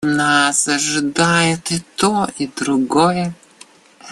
Нас ожидает и то, и другое.